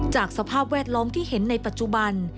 สภาพแวดล้อมที่เห็นในปัจจุบัน